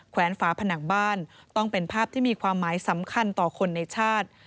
แวนฝาผนังบ้านต้องเป็นภาพที่มีความหมายสำคัญต่อคนในชาติ